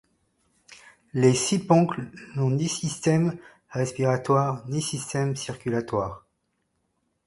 Les siponcles n'ont ni système respiratoire ni système circulatoire.